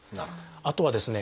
あとはですね